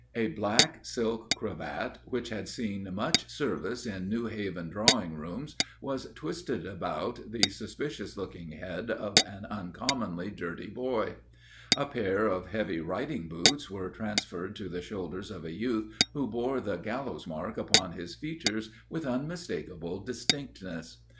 A black silk cravat which had seen much service in New Haven drawing rooms, was twisted about the suspicious looking head of an uncommonly dirty boy. A pair of heavy riding boots were transferred to the shoulders of a youth who bore the 'gallows mark' upon his features with unmistakable distinctness.